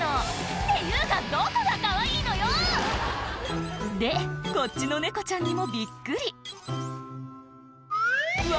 「っていうかどこがかわいいのよ！」でこっちの猫ちゃんにもびっくりうわ